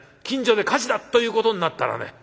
近所で火事だということになったらね